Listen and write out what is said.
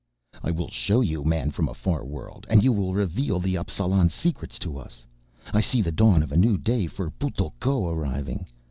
"I will show you, man from a far world, and you will reveal the Appsalan secrets to us. I see the dawn of a new day for Putl'ko arriving."